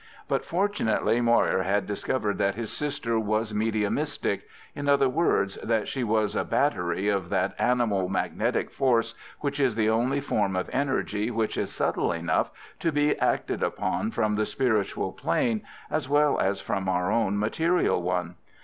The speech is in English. But, fortunately, Moir had discovered that his sister was mediumistic—in other words, that she was a battery of that animal magnetic force which is the only form of energy which is subtle enough to be acted upon from the spiritual plane as well as from our own material one.